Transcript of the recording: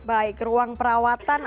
baik ruang perawatan